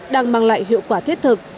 đang mang lại hiệu quả thiết thực